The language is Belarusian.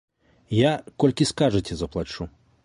Я, колькі скажаце, заплачу.